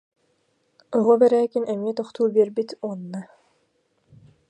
Оҕо Бэрээкин эмиэ тохтуу биэрбит уонна: